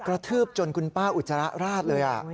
ทืบจนคุณป้าอุจจาระราดเลย